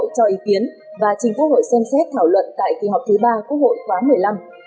sẽ được trình ubth cho ý kiến và trình quốc hội xem xét thảo luận tại kỳ họp thứ ba quốc hội khóa một mươi năm